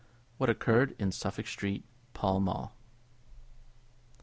What Occurred in Suffolk Street, Pall Mall.